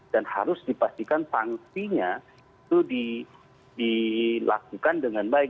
dan harus dipastikan pangsinya itu dilakukan dengan baik